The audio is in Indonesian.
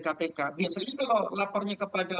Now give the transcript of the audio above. kpk biasanya kalau lapornya kepada